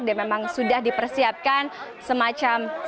dia memang sudah dipersiapkan semacam serta